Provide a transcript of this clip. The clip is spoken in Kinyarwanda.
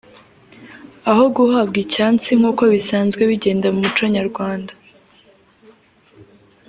aho guhabwa ‘icyansi’ nk’uko bisanzwe bigenda mu muco Nyarwanda